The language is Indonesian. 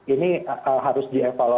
ini harus dievaluasikan